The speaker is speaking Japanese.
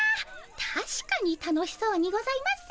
たしかに楽しそうにございます。